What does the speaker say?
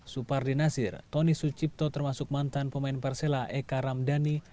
supar dinasir tony sucipto termasuk mantan pemain parsela eka ramdhani